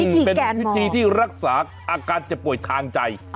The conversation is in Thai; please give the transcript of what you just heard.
เป็นพิธีที่รักษาอาการเจ็บป่วยทางใจ